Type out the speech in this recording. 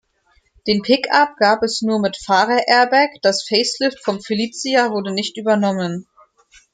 Den Pick-up gab es nur mit Fahrerairbag, das Facelift vom Felicia wurde nicht übernommen.